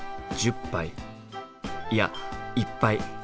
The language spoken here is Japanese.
いやいっぱい。